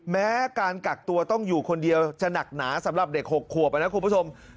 แม้การกักตัวต้องอยู่คนเดียวจะหนักหนาสำหรับเด็ก๖ขวบนะคุณผู้ชม